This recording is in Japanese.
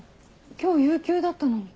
今日有休だったのに。